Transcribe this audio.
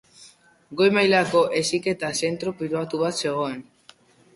Goi mailako heziketa zentro pribatu bat zegoen.